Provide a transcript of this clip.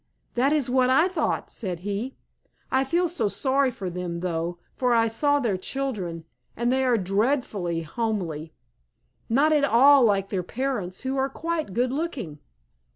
"That is what I thought," said he. "I feel so sorry for them, though, for I saw their children, and they are dreadfully homely, not at all like their parents, who are quite good looking."